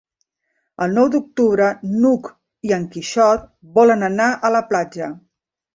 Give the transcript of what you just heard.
El nou d'octubre n'Hug i en Quixot volen anar a la platja.